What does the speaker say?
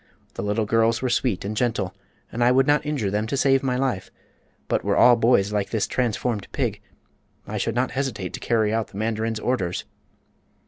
The little girls were sweet and gentle, and I would not injure them to save my life, but were all boys like this transformed pig, I should not hesitate to carry out the mandarin's orders."